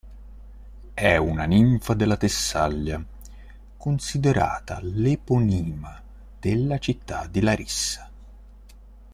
È una ninfa della Tessaglia, considerata l'eponima della città di Larissa.